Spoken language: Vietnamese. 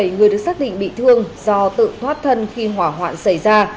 một mươi bảy người được xác định bị thương do tự thoát thân khi hỏa hoạn xảy ra